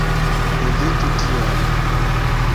Evitu tion!